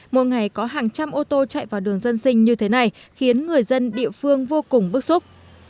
mỗi ngày có hàng trăm ô tô chạy vào đường dân sinh như thế này khiến người dân địa phương vô cùng bức xúc